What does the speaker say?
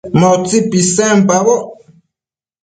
Ma utsi pisenpacboc